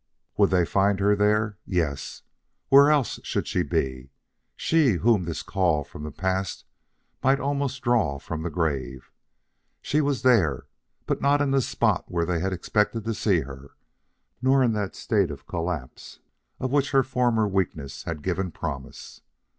Would they find her there? Yes; where else should she be, she whom this call from the past might almost draw from the grave! She was there, but not in the spot where they had expected to see her, nor in that state of collapse of which her former weakness had given promise.